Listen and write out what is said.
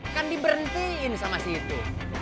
kan diberhentiin sama si itu